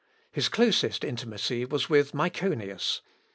His closest intimacy was with Myconius.